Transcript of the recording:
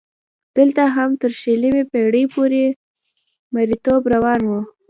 دلته هم تر شلمې پېړۍ پورې مریتوب روان و.